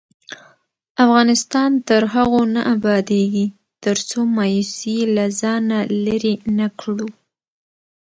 افغانستان تر هغو نه ابادیږي، ترڅو مایوسي له ځانه لیرې نکړو.